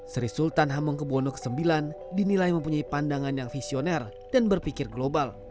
sri sultan hamengkebuwono ix dinilai mempunyai pandangan yang visioner dan berpikir global